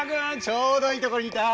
ちょうどいいところにいた。